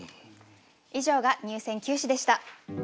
以上が入選九首でした。